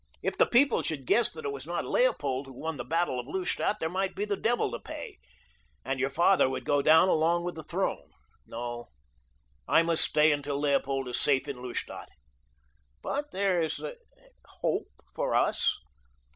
"If the people should guess that it was not Leopold who won the battle of Lustadt there might be the devil to pay, and your father would go down along with the throne. No, I must stay until Leopold is safe in Lustadt. But there is a hope for us.